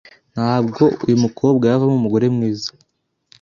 Ntabwo uyu umukobwa yavamo umugore mwiza